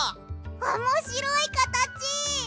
おもしろいかたち！